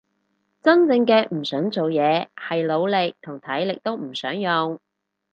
真正嘅唔想做嘢係腦力同體力都唔想用